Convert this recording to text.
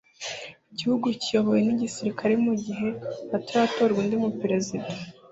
Igihugu kiyobowe n’igisirikare mu gihe hataratorwa undi mu perezida.